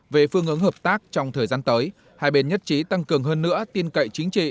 về phương hướng hợp tác trong thời gian tới hai bên nhất trí tăng cường hơn nữa tin cậy chính trị